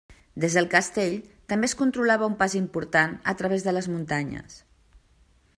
Des del castell també es controlava un pas important a través de les muntanyes.